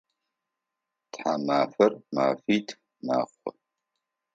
Тхьамафэр мэфитф мэхъу.